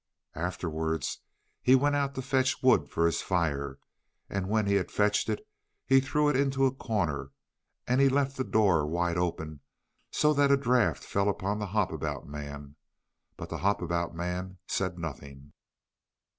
Afterwards he went out to fetch wood for his fire, and when he had fetched it, he threw it into a corner, and he left the door wide open, so that a draught fell upon the Hop about Man. But the Hop about Man said nothing.